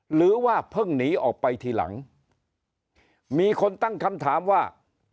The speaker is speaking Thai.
หรือว่าเพิ่งหนีออกไปทีหลังมีคนตั้งคำถามว่า